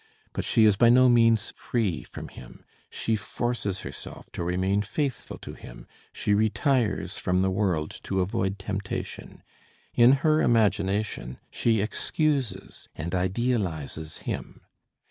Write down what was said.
But she is by no means free from him; she forces herself to remain faithful to him, she retires from the world to avoid temptation; in her imagination she excuses and idealizes him.